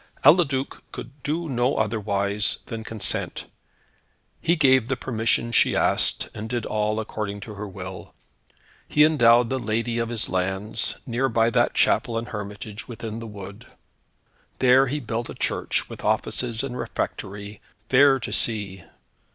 Eliduc could do no otherwise than consent. He gave the permission she asked, and did all according to her will. He endowed the lady of his lands, near by that chapel and hermitage, within the wood. There he built a church with offices and refectory, fair to see.